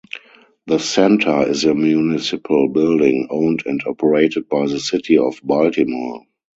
The Center is a municipal building owned and operated by the City of Baltimore.